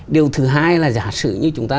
điều thứ hai là giả sử như chúng ta